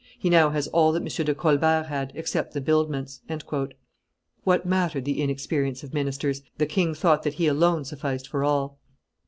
He now has all that M. de Colbert had, except the buildments." What mattered the inexperience of ministers? The king thought that he alone sufficed for all.